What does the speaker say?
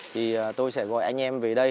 thì tôi sẽ gọi anh em về đây